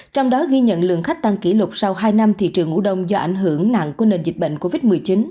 trong đó ghi nhận lượng khách tăng kỷ lục sau hai năm thị trường ngủ đông do ảnh hưởng nặng của nền dịch bệnh covid một mươi chín